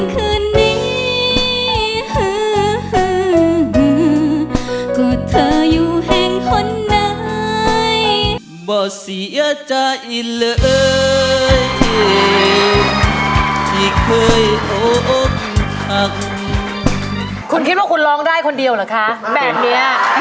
คุณคิดว่าคุณร้องได้คนเดียวเหรอคะแบบนี้